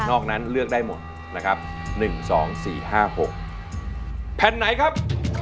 นอกนั้นเลือกได้หมดนะครับหนึ่งสองสี่ห้าหกแผ่นไหนครับ